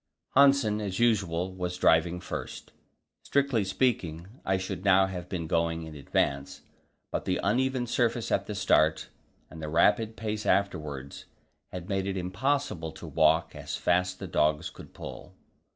Hanssen, as usual, was driving first. Strictly speaking, I should now have been going in advance, but the uneven surface at the start and the rapid pace afterwards had made it impossible to walk as fast the dogs could pull.